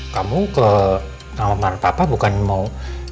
kamu ke ngalaman papa bukan mau